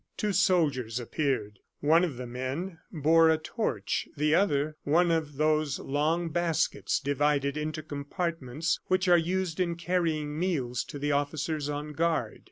Two soldiers appeared. One of the men bore a torch, the other, one of those long baskets divided into compartments which are used in carrying meals to the officers on guard.